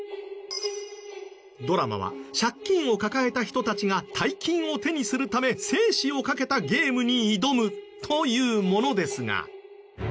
ドラマは借金を抱えた人たちが大金を手にするため生死をかけたゲームに挑むというものですが。